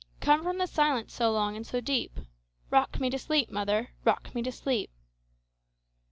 Come from the silence so long and so deep;—Rock me to sleep, mother,—rock me to sleep!